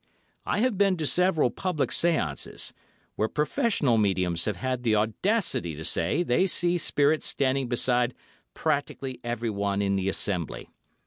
I have been to several public séances, where professional mediums have had the audacity to say they see spirits standing beside practically everyone in the assembly.